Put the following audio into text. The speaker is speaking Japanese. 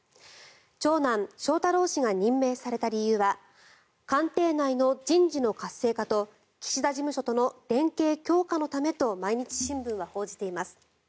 長男・翔太郎氏が任命された理由は官邸内の人事の活性化と岸田事務所との連携強化のためと毎日新聞は報じています。